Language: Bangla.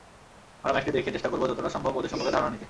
আমরা ম্যাচটি দেখে চেষ্টা করব যতটা সম্ভব ওদের সম্পর্কে ধারণা নিতে।